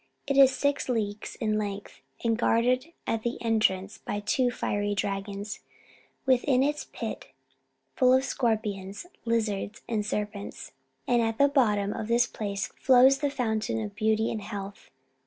It is six leagues in length, and guarded at the entrance by two fiery dragons. Within it is a pit, full of scorpions, lizards, and serpents, and at the bottom of this place flows the Fountain of Beauty and Health.